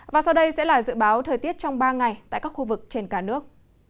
và sau đây sẽ là dự báo thời tiết trong ba ngày tại các khu vực trên cả nước